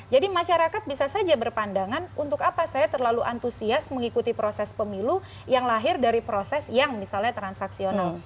jadi masyarakat bisa saja berpandangan untuk apa saya terlalu antusias mengikuti proses pemilu yang lahir dari proses yang misalnya transaksional